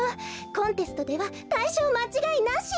コンテストではたいしょうまちがいなしよ。